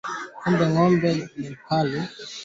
magonjwa yanayoathiri biashara za mifugo